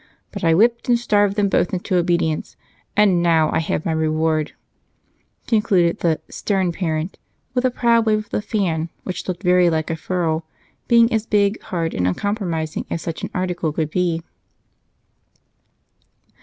But I whipped and starved them both into obedience, and now I have my reward," concluded the "stern parent" with a proud wave of the fan, which looked very like a ferule, being as big, hard, and uncompromising as such an article could be.